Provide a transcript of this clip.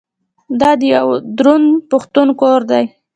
دا د یوه دروند پښتون کور دی.